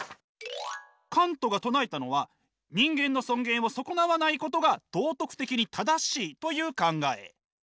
カントが唱えたのは人間の尊厳を損なわないことが道徳的に正しいという考え。